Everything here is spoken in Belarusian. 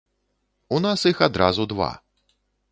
У нас іх адразу два.